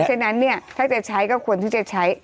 ฉะนั้นเนี่ยถ้าจะใช้ก็ควรที่จะใช้